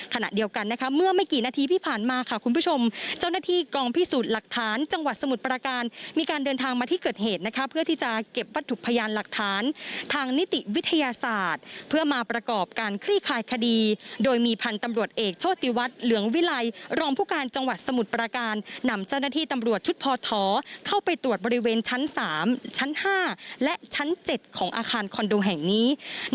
ขณะเดียวกันเมื่อไม่กี่นาทีที่ผ่านมาคุณผู้ชมเจ้าหน้าที่กองพิสูจน์หลักฐานจังหวัดสมุดปราการมีการเดินทางมาที่เกิดเหตุเพื่อที่จะเก็บวัตถุพยานหลักฐานทางนิติวิทยาศาสตร์เพื่อมาประกอบการคลี่คายคดีโดยมีพันธุ์ตำรวจเอกโชติวัตรเหลืองวิไรรองผู้การจังหวัดสมุดปราการนำเจ้าหน้าที่